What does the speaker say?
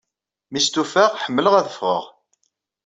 Mi stufaɣ. ḥemmleɣ ad ffɣeɣ.